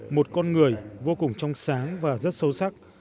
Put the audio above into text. một con người vô cùng trong sáng và rất sâu sắc